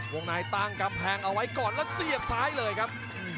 วงในตั้งกำแพงเอาไว้ก่อนแล้วเสียบซ้ายเลยครับ